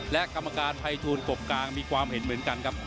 และกรรมการภัยทูลกบกลางมีความเห็นเหมือนกันครับ